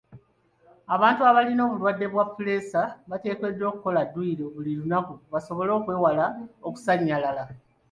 Abantu abalina obulwadde ba puleesa bateekeddwa okukola dduyiro buli lunaku basobole okwewala oksannyalala.